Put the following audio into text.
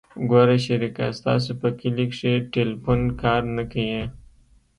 ګوره شريکه ستاسو په کلي کښې ټېلفون کار نه کيي.